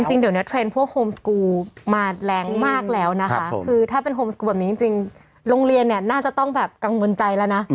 จริงเดี๋ยวนี้เทรนด์พวกโฮมสกูลมาแรงมากแล้วนะคะคือถ้าเป็นโฮมสกูลแบบนี้จริงโรงเรียนเนี่ยน่าจะต้องแบบกังวลใจแล้วนะ